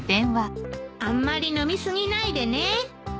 あんまり飲み過ぎないでね。